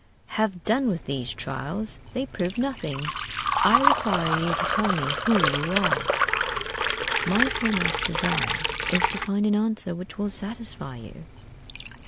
"'Have done with these trials: they prove nothing. I require you to tell me who you are.' "'My foremost desire is to find an answer which will satisfy you.